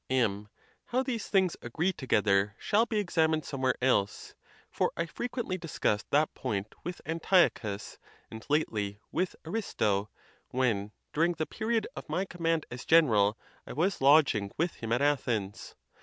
M. How these things agree together shall be examined somewhere else; for I frequently discussed that point with Antiochus, and lately with Aristo, when, during the period of my command as general, I was lodging with him at Athens.